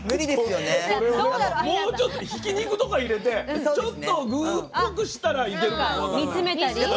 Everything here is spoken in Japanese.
もうちょっとひき肉とか入れてちょっと具っぽくしたらいけるかもわかんない。